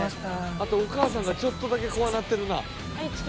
「あとお母さんがちょっとだけ怖なってるな」